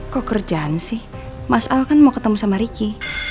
kok kerjaan sih mas al kan mau ketemu sama ricky